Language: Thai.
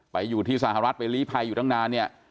อยู่ที่สหรัฐไปลีภัยอยู่ตั้งนานเนี่ย